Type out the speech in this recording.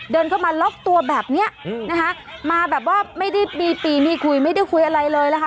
เดินเข้ามาล็อกตัวแบบเนี้ยนะคะมาแบบว่าไม่ได้มีปีมีคุยไม่ได้คุยอะไรเลยนะคะ